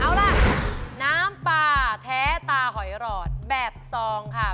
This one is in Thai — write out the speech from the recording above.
เอาล่ะน้ำปลาแท้ตาหอยหลอดแบบซองค่ะ